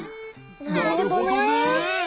なるほどね。